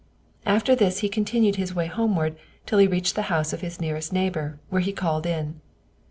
After this he continued his way homeward till he reached the house of his nearest neighbor, where he called in.